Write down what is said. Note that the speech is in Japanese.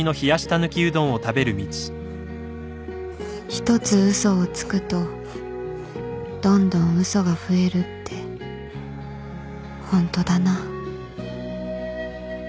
１つ嘘をつくとどんどん嘘が増えるってホントだな